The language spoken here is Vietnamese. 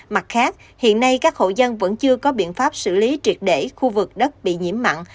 mặt khác hiện nay các hộ dân vẫn chưa có biện pháp xử lý triệt để khu vực đất bị nhiễm mặn